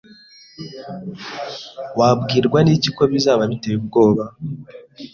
Wabwirwa n'iki ko bizaba biteye ubwoba?